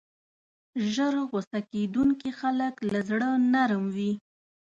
ژر غصه کېدونکي خلک له زړه نرم وي.